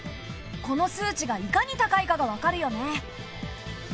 この数値がいかに高いかがわかるよね。